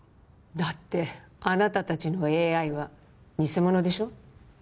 だってあなた達のＡＩは偽物でしょ